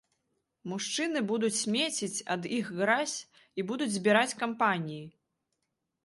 Мужчыны будуць смеціць, ад іх гразь, і будуць збіраць кампаніі!